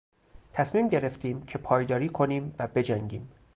تصمیم گرفتیم که پایداری کنیم و بجنگیم.